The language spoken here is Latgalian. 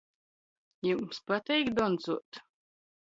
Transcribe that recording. Jums pateik doncuot?